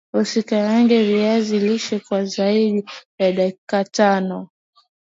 Usikaange viazi lishe kwa zaidi ya dakika tano